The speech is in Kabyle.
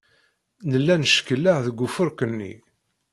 Nella neckelleɛ deg ufurk-nni.